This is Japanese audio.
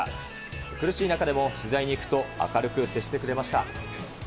苦しい中でも取材に行くと、明るく接してくれました。